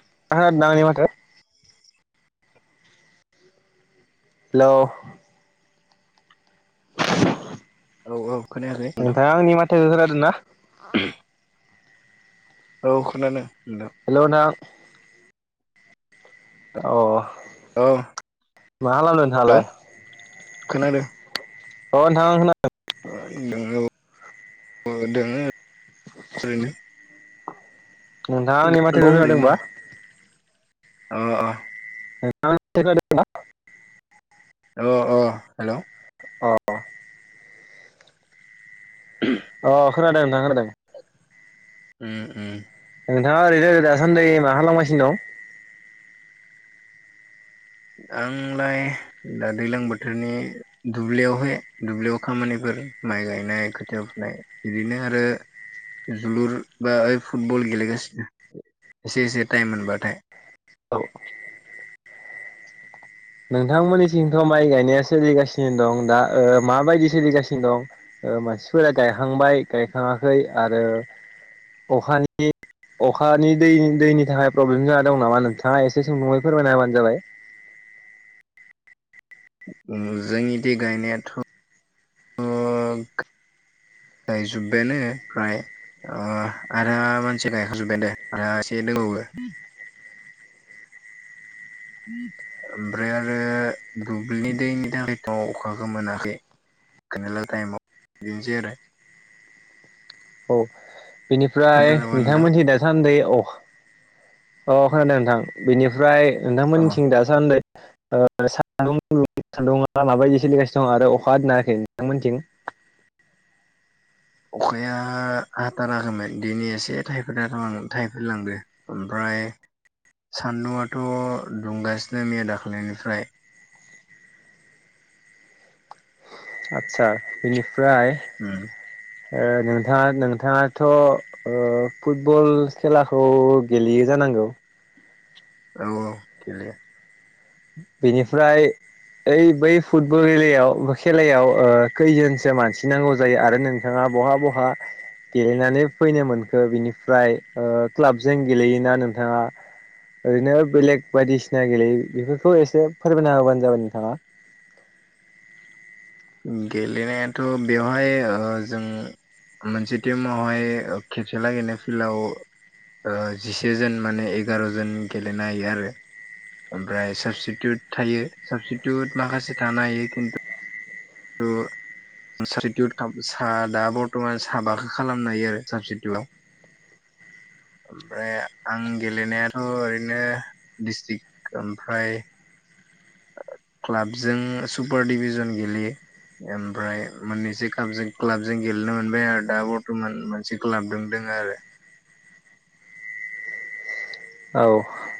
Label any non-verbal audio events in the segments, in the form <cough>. <unintelligible> <unintelligible> <unintelligible> औ औ खोनायाखै नोंथां नोंथाङा <unintelligible> औ खोनानो हेल' न्थां ओह औ हेल' नोंथाङालाय खोनादों अ नोंथां <unintelligible> नोंथाङा आंनि दं माथोखो ओरैनो दं खोनादोंबा <unintelligible> <unintelligible> अ अ हेल' अह अह खोनादों नोंथां खोनादों उम उम नोंथाङा ओरैनोरे दासान्दि मा खालाम गासिनो दं आंलाय दा दैलां बोथोरनि दुब्लियावहाय दुब्लियाव खामानिफोर माइ गायनाय खोथिया फुनाय बिदिनो आरो जोलुर बा ओइ फुटबल गेलेगासिनो एसे एसे टाइम मोनबाथाय औ नोंथांमोननिसिंथ' माइ गायनाया सोलिगासिनो दं दा ओ माबायदि सोलिगासिनो दं ओ मानसिफोरा गायखांबाय गायखाङाखै आरो अखानि अखानि दै दैनि थाखाय प्रब्लेम जाना दं नामा नोंथाङा एसे सुंदुङै फोरमायना होबानो जाबाय <inaudible> जोंनिदि गायनायाथ' गायजोब्बायानो फ्राय ओ आरो मानसि गायखांजोब्बाय दे आरो एसे दंबावो ओमफ्राय आरो दुब्लिनि दैनि थाखायथ' अखाखो मोनाखै <unintelligible> औ बिनिफ्राय खोनादोंबा नोंथां नोंथांमोनथि दासान्दै अ अ खोनादों नोंथां बेनिफ्राय अ नोंथांमोननिथिं दासान्दै <unintelligible> माबायदि सोलिगासिनो दङ' आरो अखा दोनाखै नोंथांमोनथिं? <inaudible> अखाया हाथाराखैमोन दिनि एसे थाइफ्रिना <unintelligible> थाइफ्रि लांदो ओमफ्राय <unintelligible> सान्दुंआथ' दुंगासिनो मैया दाख्लैनिफ्राय। आच्छा बिनिफ्राय उम ओ नोंथाङा नोंथाङाथ' ओ फुटब'ल खेलाखौ गेलेयो जान नांगौ। औ औ गेलेयो। बेनिफ्राय ओइ बै फुटबल गेलेयाव खेलायाव खैजोनसो मानसि नांगौ जायो आरो नोंथाङा बहा बहा गेलेनानै फैनो मोनखो बिनिफ्राय ओ क्लाबजों गेलेयोना नोंथाङा? ओरैनो बेलेग बायदिसिना गेलेयो बेफोर थ' एसे फोरमायना होबानो जाबाय नोंथाङा। गेलेनायाथ' बेवहाय ओ जों मोनसे टिमावहाय खेबसे लागैनो फिलाव ओ जिसे जोन माने एगार'जन गेलेनो हायो आरो ओमफ्राय साबस्टिटिउट थायो साबस्टिटिउट माखासे थानो हायो खिन्थु <unintelligible> <unintelligible> सा दा बर्तमान साबाखो खालामनो हायो आरो साबस्टिटिउटआव। <inaudible> ओमफाय आं गेलेनायाथ' ओरैनो डिस्ट्रिक ओमफ्राय क्लाबजों सुपार दिभिजन गेलेयो। एमफ्राय मोननैसो कापजों क्लाबजों गेलेनो मोनबाय आरो दा बर्त'मान मोनसे क्लाब दों दों <unintelligible> आरो। औ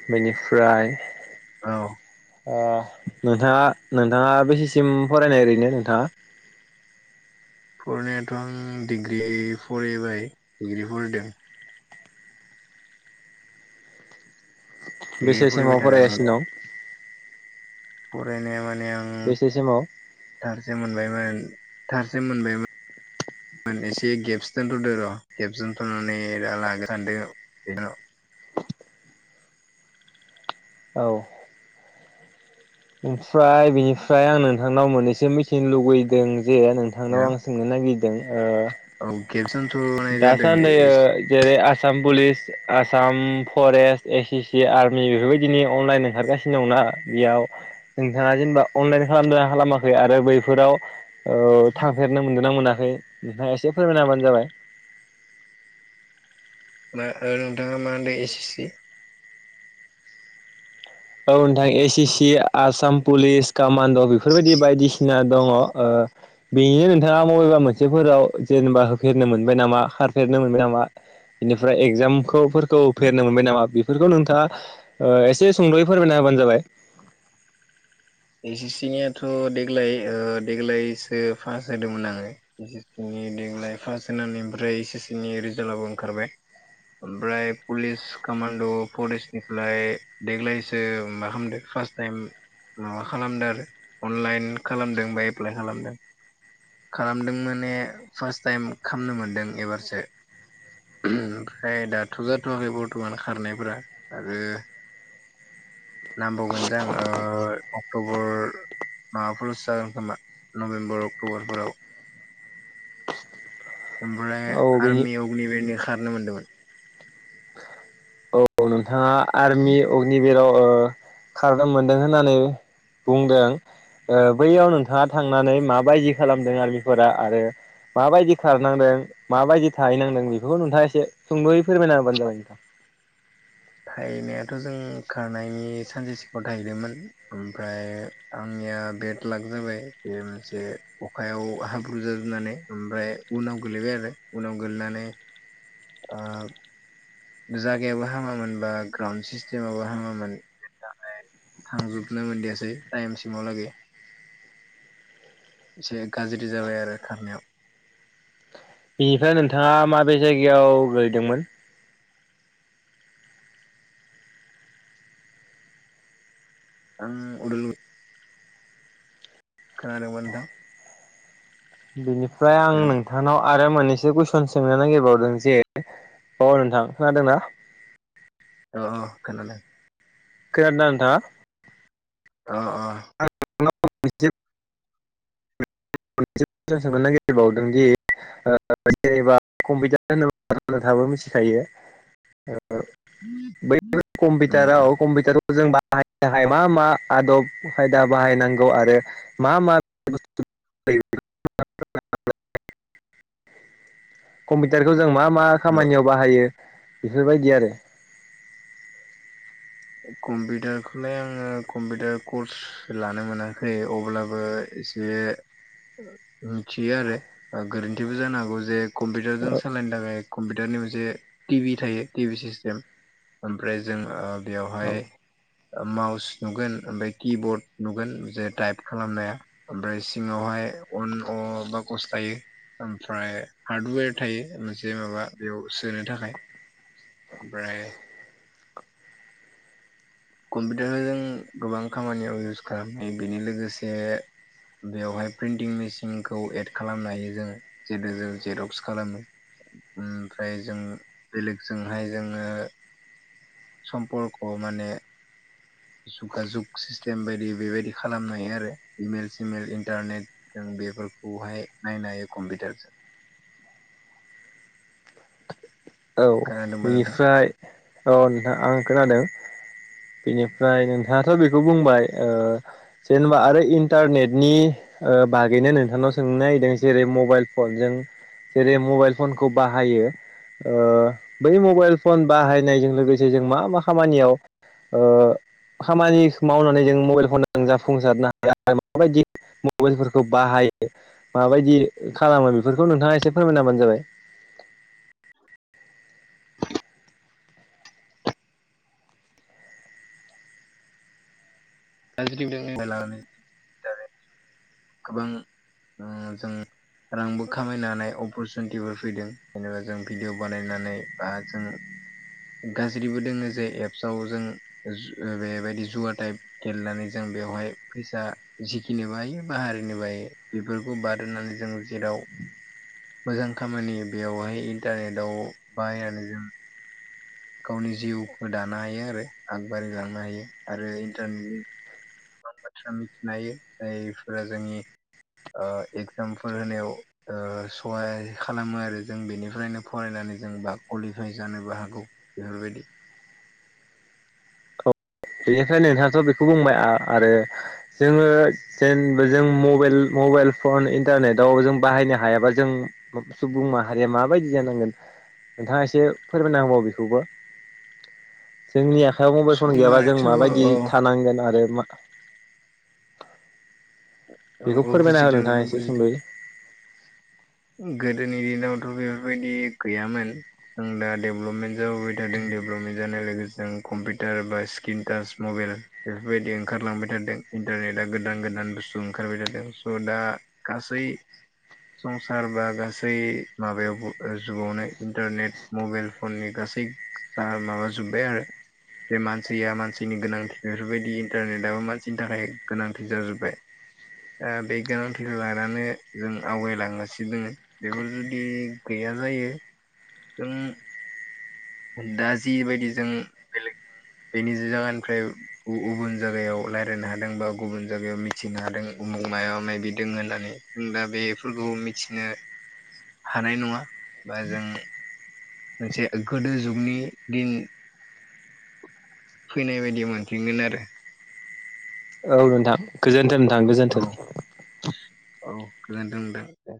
बेनिफ्राय औ। ओ नोंथाङा नोंथाङा बेसेसिम फरायनाय ओरैनो नोंथाङा? फरायनायाथ' आं डिग्रि फरायबाय डिग्रि फरायदों। डिग्रि फरायबाय बेसेसेमाव थादों आं दा फरायगासिनो दं? फरायनाया माने आं बेसे सिमाव दारजे मोनबायमोन। थारसेम मोनबायमोन आं एसे गेबस दोनथ'दो र' गेबस दोनथ'नानै दा लागोन सानदों बे <unintelligible> औ ओमफ्राय बिनिफ्राय आं नोंथांनाव मोननैसो मिथिनो लुबैदों जे हेल' नोंथांनाव आं सोंनो नागिर दों ओ। औ गेबस दासानदै ओ जेरै Assam police Assam forest S C army बेफोरबायदिनि अनलाइन ओंखारगासिनो दंना बेयाव नोंथाङा जेनेबा अनलाइन खालामदों खालामाखै आरो बैफोराव थांफेरनो मोनदों मोनाखै नोंथाङा एसे फोरमायनाबानो जाबाय। नोंथाङा मा होनदो एसे सि औ नोंथां ए सि सि आसाम पुलिस कामान्ड' बेफोरबायदि बायदिसिना दङ ओ बेनो नोंथाङा बबेबा मोनसेफोराव जेनेबा होफेरनो मोनबाय नामा खारफेरनो मोनबाय नामा? बेनिफ्राय एगजामफोरखौ होफेरनो मोनबाय नामा बेफोरखौ नोंथाङा एसे सुंद'यै फोरमायना होबानो जाबाय। एस एस सि नियाथ' देग्लाय देग्लायसो पास जादोंमोन आङो एस एस सि नि देग्लाय फास्ट होनानै ओमफ्राय इस एस सि नि रिजाल्टआबो ओंखारबाय। ओमफ्राय पुलिस कामान्ड' फरेस्टनिफ्राय देग्लायसो मा खालामदों फार्स्ट टाइम माबा खालामदों आरो अनलाइन खालामदों बा एप्लाइ खालामदों। खालामदों माने फार्स्ट टाइम खालामनो मोनदों एबारसो। ओहोम ओमफ्राय दाथ' जाथ'वाखै बर्थमान खारनायफोरा आरो नांबावगोन जां ओ अक्ट'बर माबाफोरावसो जागोन खोमा नभेम्बर अक्ट'बरफोराव। <inaudible> ओमफ्राय औ बेनि आर्मि अगनिभिरनि खारनो मोनदोंमोन। <inaudible> औ नोंथाङा आर्मि अगनिभिराव ओ खारनो मोनदों होननानै बुंदों ओ बैयाव नोंथाङा थांनानै माबायदि खालामदों आर्मिफोरा आरो माबायदि खारनांदों माबायदि थाहैनांदों बेफोरखौ नोंथाङा एसे सुंद'यै फोरमायना होबानो जाबाय नोंथां। थाहैनायाथ' जों खारनायनि सानसे सिङाव थाहैदोंमोन। ओमफ्राय आं या बेद लाक जाबाय जे मोनसे अखायाव हाब्रु जाजोबनानै मफ्राय उनाव गोलैबाय आरो उनाव गोलैनानै ओ जागायावबो हामामोन बा ग्राउन्ड सिस्टेमाबो हामामोन। थांजोबनो मोनदियासै टाइमसिमाव लागै। एसे गाज्रि जाबाय आरो खारनायाव। बिनिफ्राय नोंथाङा माबे जायगायाव गोलैदोंमोन? आं अदालगुर खोनादों बा नोंथां? बेनिफ्राय आं हेलौ नोंथांनाव आरो मोननैसो कुइसन सोंनो नागिरबावदों जे औ नोंथां खोनादोंना? अ खोनादों। खोनादों ना‌ नोंथांआ? अ अ। <unintelligible> <unintelligible> दाबो मिथिखायो। <inaudible> उम बै उम कम्पिउटाराव कम्पिउटार जों बाहायनो थाखाय मा मा आदब खायदा बाहायनांगौ आरो मा मा <unintelligible> कम्पिउटारखौ जों मा मा हेलौ खामानियाव बाहायो बेफोरबायदि आरो। कम्पिउटारखौलाय आङो कम्पिउटार कर्स लानो मोनाखै अब्लाबो एसे मिथियो आरो ओ गोरोन्थिबो जानो हागौ जे कम्पिउटारजों सालायनो थाखाय कम्पिउटारनि मोनसे टिभि थायो टिभि सिस्टेम ओमफ्राय जों बेवहाय औ माउस नुगोन ओमफाय किबर्ड नुगोन जे टाइप खालामनाया ओमफ्राय सिङावहाय अन अ बा गस्लायो ओमफ्रार हार्दवेर मोनसे माबा बेव सोनो थाखाय ओमफ्राय कम्पिउटारखो जों गोबां खामानियाव इउस खालामनाय बेनि लोगोसे बेवहाय प्रिन्टिं मेसिनखौ एड खालामनो हायो जोङो जेथु जों जेरक्स खालामो। ओमफ्राय जों बेलेगजोंहाय जोङो सम्पर्क माने जुगा जुग सिस्टेम बायदि बेबायदि खालामनो हायो आरो इमेल सिमेल इन्टारनेट जों बे बेफोरखौहाय नायनो हायो कम्पिटारजो। <inaudible> औ बेनिफ्राय औ नोंथां आं खोनादों। बेनिफ्राय नोंथाङाथ' बेखौ बुंबाय ओ जेनेबा आरो इन्टारनेटनि ओ बागैनो नोंथांनाव सोंनो नागिरदों जेरै मबाइल फनजों जेरै मबाइल फनखौ बाहायो ओ बै मबाइल फन बाहायनायजों लोगोसे जों मा मा खामानियाव ओ खामानि मावनानै जों मबाइल फनदो जाफुंसारनो हायो माबायदि मबाइलफोरखौ बाहाय माबायदि खालामो बेफोरखौ नोंथाङा एसे फोरमायनाहोबानो जाबाय। <unintelligible> गोबां उम जों रांबो खामायनो हानाय अपरसुनिटिफोर फैदों जेनेबा जों भिडिअ' बानायनानै बा जों गाज्रिबो दोङो जे एप्सआव जों जु बेबायदि जुवा टाइप गेलेनानै जों बेवहाय फैसा जिखिनि हायो बा हारिनि बायो बेफोरखौ बादहोनानै जों जेराव मोजां खामानि बेयावहाय इन्टारनेटआव बाहायनानै जों गावनि जिउखो दानो हायो आरो आगबारिलांनो हायो आरो इन्टारनेटनि गोबां बाथ्रा मिथिनो हायो जायफोरा जोंनि ओ एगजामपोल होनायाव ओ सहाय खालामो आरो जों बेनिफ्रायनो फरायनानै जों बा कलिफाइ जानोबो हागौ बेफोरबायदि। औ बेनिफ्राय नोंथांआथ' बेखौ बुंबाय आ आरो जोङो जेनबो जों मबाइल- मबाइल फन इन्टारनेटआव जों बाहायनो हायाबा जों सुबुं माहारिया माबायदि जानांगोन। नोंथाङा एसे फोरमायनाहोबाव बेखौबो जोंनि आखायाव मबाइल फन सुबुं गैयाबा जों माहारियाथ' माबायदि औ थानांगोन आरो मा औ बेखौ औ फोरमायना हो बुजिदों नोंथाङा नोंथां एसे बुजिदों सुंद'यै। गोदोनि दिनावथ' बेफोरबायदि गैयामोन जों दा डेभलपमेन्ट जाबोबाय थादों डेभेलपमेन्ट जानाय लोगोसे जों कम्पिउटार बा स्क्रिन टाच मबेल बेफोरबायदि ओंखारलांबाय थादों इन्टारनेटा गोदान- गो दान बुस्तु ओंखारबाय थादों स' दा गासै सारबा गासै माबायावबो ओ जुआवनो इन्टारनेट मबेल फननि गासै जाहाल माबाजुब्बाय आरो जे मानसिया मानसिनि गोनांथि बेफोरबायदि इन्टारनेटआबो मानसिनि थाखाय गोनांथि जाजोब्बाय। ओ बे गोनांथिखौ लानानै जों आवगायलांङोसि नो दोङो बेफोर जुदि गैया जायो जों दा जिबायदि जों बेलेग बेनि जायगानिफ्राय गु गुबुन जायगायाव रायलायनो हादों बा गुबुन जायगायाव मिथिनो हादों। उमुग मायबा मायबि दोङो होननानै जों दा बेफोरखौ मिथिनो हानाय नङा बा जों मोनसे गोदो जुगनि दिन फैनाय बायदि मोनफिनगोन आरो। औ नोंथां गोजोनथों नोंथां औ गोजोनथों औ गोजोन्थों दे दे